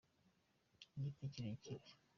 igiti kirekire.